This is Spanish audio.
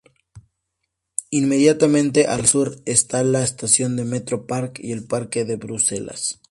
Inmediatamente al sur está la estación de metro Parc y el Parque de Bruselas.